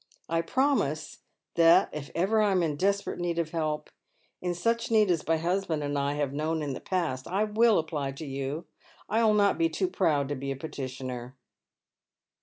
I promise that if ever I am in desperate need of help — in such need as my husband and I have known in the past — I will apply to you. I will not be too proud to be a petitioner."